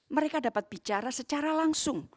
mereka dapat bicara secara langsung